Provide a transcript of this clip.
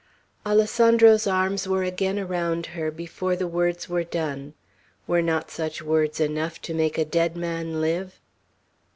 Alessandro's arms were again around her, before the words were done. Were not such words enough to make a dead man live?